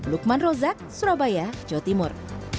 lukman rozak surabaya jawa timur